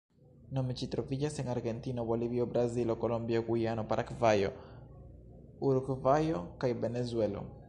Nome ĝi troviĝas en Argentino, Bolivio, Brazilo, Kolombio, Gujanoj, Paragvajo, Urugvajo, kaj Venezuelo.